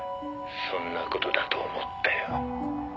「そんな事だと思ったよ」